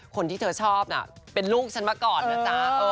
คนที่เธอชอบน่ะเป็นลูกฉันมาก่อนนะจ๊ะ